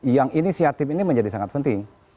yang inisiatif ini menjadi sangat penting